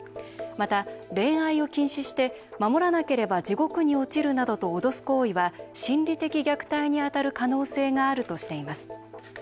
また、恋愛を禁止して守らなければ地獄に落ちるなどと脅す行為は心理的虐待にあたる可能性があるとしています。